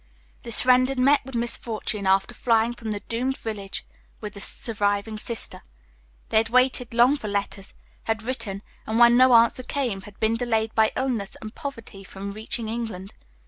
"This friend had met with misfortune after flying from the doomed village with the surviving sister. They had waited long for letters, had written, and, when no answer came, had been delayed by illness and poverty from reaching England.